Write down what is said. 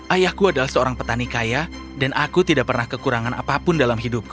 ayahku adalah seorang petani kaya dan aku tidak pernah kekurangan apapun dalam hidupku